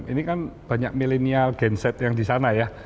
ini kan banyak milenial genset yang di sana ya